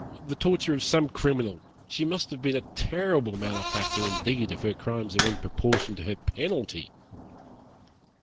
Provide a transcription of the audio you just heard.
"The torture of some criminal. She must have been a terrible malefactor indeed if her crimes are in proportion to her penalty."